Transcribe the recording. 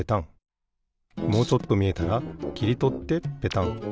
もうちょっとみえたらきりとってペタン。